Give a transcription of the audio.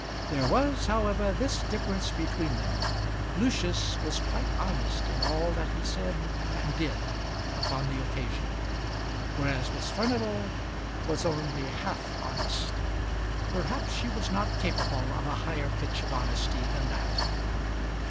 There was, however, this difference between them. Lucius was quite honest in all that he said and did upon the occasion; whereas Miss Furnival was only half honest. Perhaps she was not capable of a higher pitch of honesty than that.